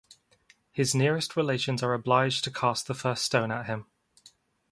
His nearest relations are obliged to cast the first stone at him.